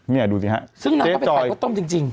นี่ดูนี่ครับเจ๊จอยใส่ซึ่งเขาก็ไปขายเค้าต้มจริง